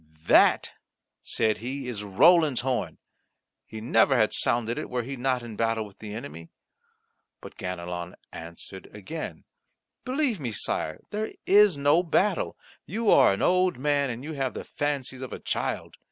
"That," said he, "is Roland's horn; he never had sounded it were he not in battle with the enemy." But Ganelon answered again: "Believe me, Sire, there is no battle. You are an old man, and you have the fancies of a child.